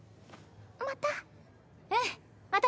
また。